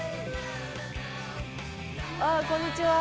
あこんにちは。